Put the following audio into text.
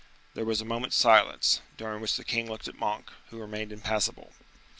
There was a moment's silence, during which the king looked at Monk, who remained impassible.